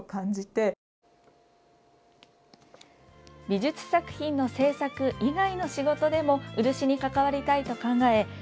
美術作品の制作以外の仕事でも漆に関わりたいと考え